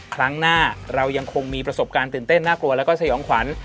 ครั้งหน้าเรายังคงมีประสบการณ์ตื่นเต้นน่ากลัวแล้วก็สยองขวัญ